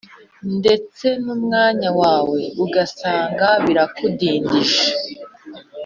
ndetse numwanya wawe ugasanga birakudindije